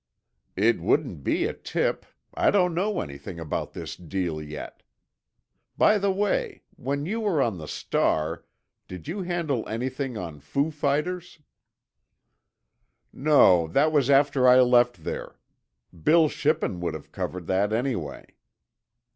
"It wouldn't be a tip—I don't know anything about this deal yet. By the way, when you were on the Star did you handle anything on 'foo fighters'?" "No, that was after I left there. Bill Shippen would have covered that, anyway."